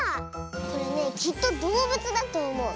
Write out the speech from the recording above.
これねきっとどうぶつだとおもう。